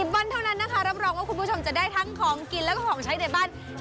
วันเท่านั้นนะคะรับรองว่าคุณผู้ชมจะได้ทั้งของกินแล้วก็ของใช้ในบ้าน